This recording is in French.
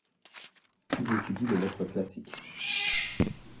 Il étudie les lettres classiques.